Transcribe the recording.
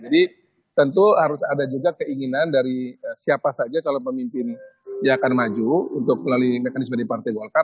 jadi tentu harus ada juga keinginan dari siapa saja calon pemimpin yang akan maju untuk melalui mekanisme di partai golkar